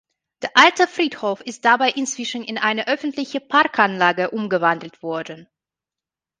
Der alte Friedhof ist dabei inzwischen in eine öffentliche Parkanlage umgewandelt worden.